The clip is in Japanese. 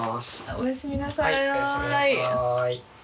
おやすみなさい。